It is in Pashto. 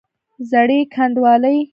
زړې ګنډوالې!